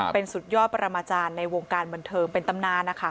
เป็นสุดยอดปรมาจารย์ในวงการบันเทิงเป็นตำนานนะคะ